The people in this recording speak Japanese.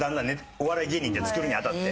お笑い芸人って作るに当たって。